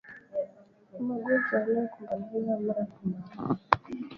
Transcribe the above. magonjwa wanayokumbana nayo mara kwa mara